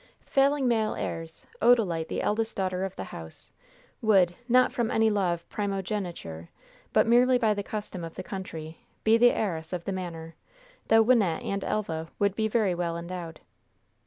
Failing male heirs, Odalite, the eldest daughter of the house, would, not from any law of primogeniture, but merely by the custom of the country, be the heiress of the manor, though Wynnette and Elva would be very well endowed.